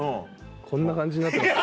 こんな感じになってます。